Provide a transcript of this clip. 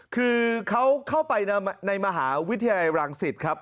คือเขาเข้าไปในมหาวิทยาลัยรังสิตครับ